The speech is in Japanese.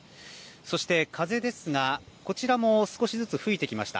そして風ですが、こちらも少しずつ吹いてきました。